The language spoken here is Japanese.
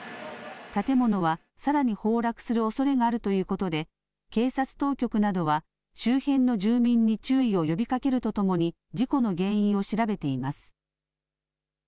建物はさらに崩落するおそれがあるということで、警察当局などは周辺の住民に注意を呼びかけるとともに、事故の原因を調べています。